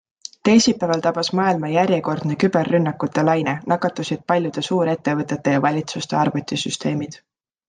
Teisipäeval tabas maailma järjekordne küberrünnakute laine, nakatusid paljude suurettevõtete ja valitsuste arvutisüsteemid.